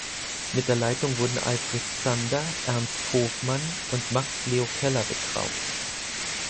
Mit der Leitung wurden Alfred Zander, Ernst Hofmann und Max Leo Keller betraut.